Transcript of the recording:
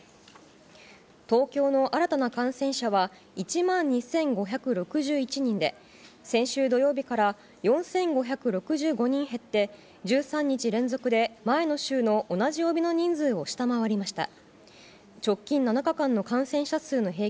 東京の新たな感染者は１万２５６１人で、先週土曜日から４５６５人減って１３日連続で、前の週の同じ曜日の人数を下回りました。